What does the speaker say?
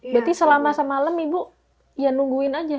berarti selama semalam ibu ya nungguin aja